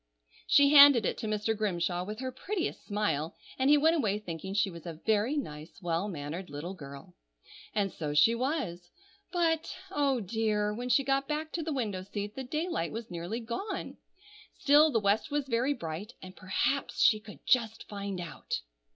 She handed it to Mr. Grimshaw with her prettiest smile, and he went away thinking she was a very nice, well mannered little girl. And so she was; but—oh dear! when she got back to the window seat the daylight was nearly gone. Still, the west was very bright, and perhaps she could just find out.